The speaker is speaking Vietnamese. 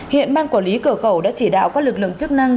hiện ban quản lý cửa khẩu đã chỉ đạo các lực lượng chức năng